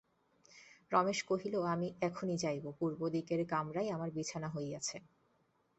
রমেশ কহিল, আমি এখনি যাইব, পূবদিকের কামরায় আমার বিছানা হইয়াছে।